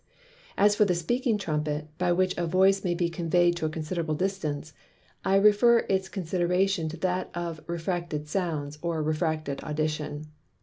As for the Speaking Trumpet, by which a Voice may be convey'd to a considerable distance, I refer its consideration to that of Refracted Sounds, or Refracted Audition.